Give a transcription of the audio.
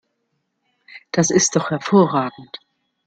Das ist doch hervorragend!